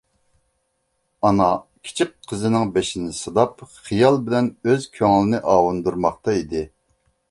ئانا كىچىك قىزىنىڭ بېشىنى سىلاپ خىيال بىلەن ئۆز كۆڭلىنى ئاۋۇندۇرماقتا ئىدى.